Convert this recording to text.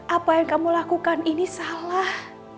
apa yang kamu lakukan ini salah